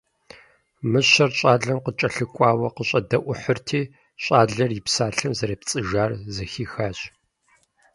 Мыщэр щӏалэм къыкӏэлъыкӏуауэ къакӏэщӏэдэӏухьырти, щӏалэр и псалъэм зэрепцӏыжар зэхихащ.